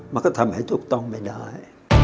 มันก็ทำให้ถูกต้องไม่ได้